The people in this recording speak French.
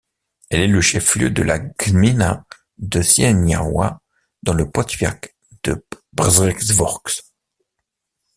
Elle est le chef-lieu de la gmina de Sieniawa, dans le powiat de Przeworsk.